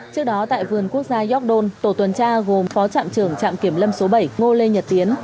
trước đó tại vườn quốc gia york don tổ tuần tra gồm phó trạm trưởng trạm kiểm lâm số bảy ngô lê nhật tiến